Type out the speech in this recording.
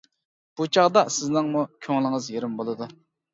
بۇ چاغدا سىزنىڭمۇ كۆڭلىڭىز يېرىم بولىدۇ.